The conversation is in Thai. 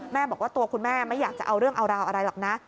บอกว่าตัวคุณแม่ไม่อยากจะเอาเรื่องเอาราวอะไรหรอกนะ